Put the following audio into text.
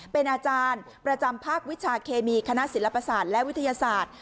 เป็นอาจารย์ประจำภาควิชาเคมีคณะศิลปศาสตร์และวิทยาศาสตร์